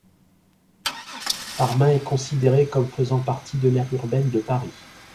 Parmain est considérée comme faisant partie de l'aire urbaine de Paris.